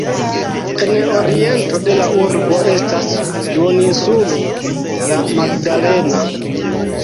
En oriento de la urbo estas duoninsulo La Magdalena.